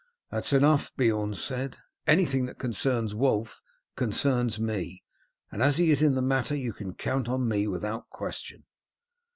"That is enough," Beorn said. "Anything that concerns Wulf concerns me, and as he is in the matter you can count on me without question."